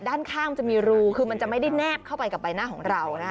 ด้านข้างจะมีรูคือมันจะไม่ได้แนบเข้าไปกับใบหน้าของเรานะคะ